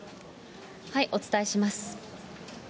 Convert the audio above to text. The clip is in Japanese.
お伝えします。